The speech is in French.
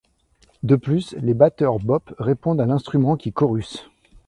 De plus, les batteurs bop répondent à l'instrument qui chorusse.